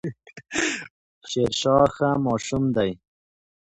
شيرشاه ښه ماشوم دی